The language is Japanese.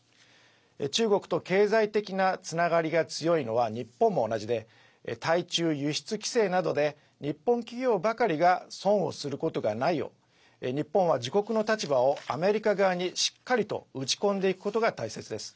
中国と経済的なつながりが強いのは日本も同じで対中輸出規制などで日本企業ばかりが損をすることがないよう日本は自国の立場をアメリカ側に、しっかりと打ち込んでいくことが大切です。